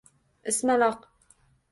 Ismaloq